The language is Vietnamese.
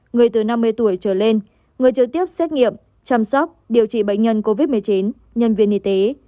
người từ năm mươi tuổi trở lên người trực tiếp xét nghiệm chăm sóc điều trị bệnh nhân covid một mươi chín nhân viên y tế